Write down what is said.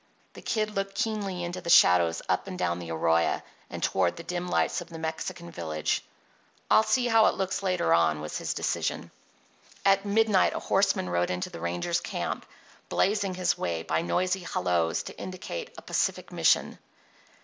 The Kid looked keenly into the shadows up and down the arroyo and toward the dim lights of the Mexican village. "I'll see how it looks later on," was his decision. At midnight a horseman rode into the rangers' camp, blazing his way by noisy "halloes" to indicate a pacific mission.